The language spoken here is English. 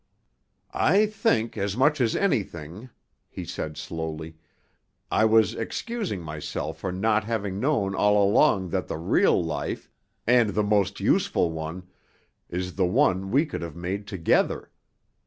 "I think as much as anything," he said slowly, "I was excusing myself for not having known all along that the real life, and the most useful one, is the one we could have made together.